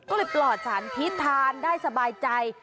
ก็เลยปลอดสารพิษทานได้สบายใจ